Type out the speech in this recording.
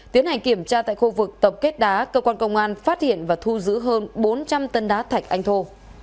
tiến hành kiểm tra tại khu vực tập kết đá cơ quan công an phát hiện và thu giữ hơn bốn trăm linh tấn đá thạch anh thô